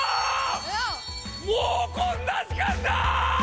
もうこんな時間だ！